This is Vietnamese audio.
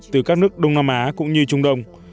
từ các nước đông nam á cũng như trung đông